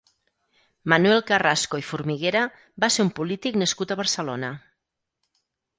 Manuel Carrasco i Formiguera va ser un polític nascut a Barcelona.